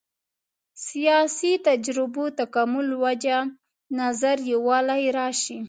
سیاسي تجربو تکامل وجه نظر یووالی راشي.